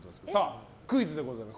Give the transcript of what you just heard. クイズでございます。